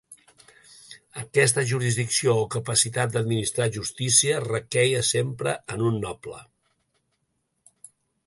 Aquesta jurisdicció o capacitat d'administrar justícia requeia sempre en un noble.